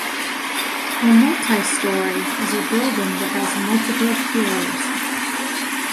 A multi-storey is a building that has multiple floors.